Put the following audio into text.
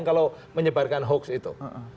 kalau menyebarkan hoax itu